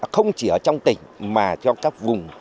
không chỉ ở trong tỉnh mà trong các vùng